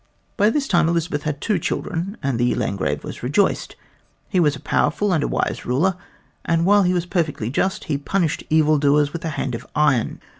By this time Elizabeth had two children, and the Landgrave was rejoiced. He was a powerful and a wise ruler, and while he was perfectly just, he punished evil doers with a hand of iron.